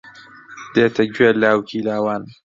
دێتە گوێ لاوکی لاوان